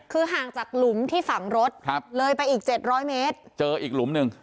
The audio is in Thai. คือห่างจากหลุมที่ฝังรถครับเลยไปอีกเจ็ดร้อยเมตรเจออีกหลุมหนึ่ง